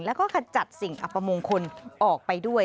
แล้วก็ขจัดสิ่งอัปมงคลออกไปด้วย